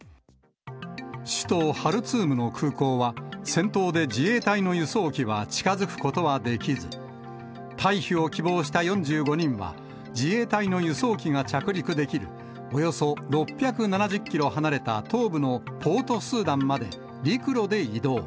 首都ハルツームの空港は、戦闘で自衛隊の輸送機は近づくことができず、退避を希望した４５人は、自衛隊の輸送機が着陸できる、およそ６７０キロ離れた東部のポートスーダンまで陸路で移動。